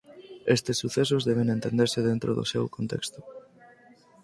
Estes sucesos deben entenderse dentro do seu contexto.